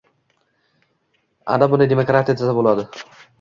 «Ana buni demokratiya desa bo‘ladi!